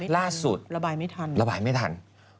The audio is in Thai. ล่าสุดระบายไม่ทัน